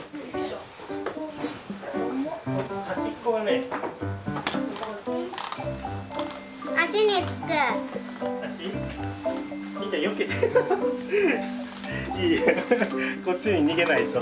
こっちに逃げないと。